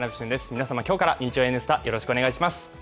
皆様、今日から日曜「Ｎスタ」、よろしくお願いいたします。